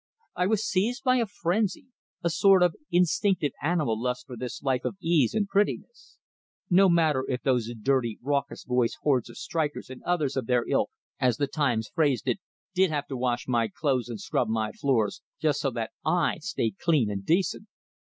I was seized by a frenzy, a sort of instinctive animal lust for this life of ease and prettiness. No matter if those dirty, raucous voiced hordes of strikers, and others of their "ilk" as the "Times" phrased it did have to wash my clothes and scrub my floors, just so that I stayed clean and decent!